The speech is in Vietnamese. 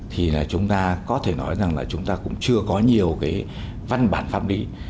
thì chúng ta có thể nói rằng chúng ta cũng chưa có nhiều văn bản pháp lý